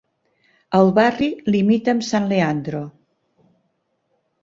El barri limita amb San Leandro.